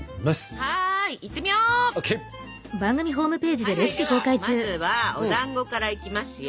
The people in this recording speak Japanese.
はいはいではまずはおだんごからいきますよ！